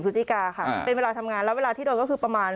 พฤศจิกาค่ะเป็นเวลาทำงานแล้วเวลาที่โดนก็คือประมาณ